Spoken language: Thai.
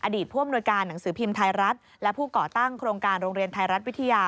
ผู้อำนวยการหนังสือพิมพ์ไทยรัฐและผู้ก่อตั้งโครงการโรงเรียนไทยรัฐวิทยา